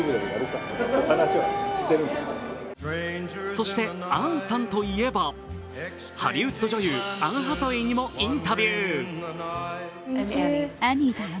そして、アンさんといえばハリウッド女優アン・ハサウェイにもインタビュー。